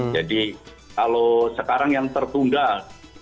jadi kalau sekarang yang tertunggal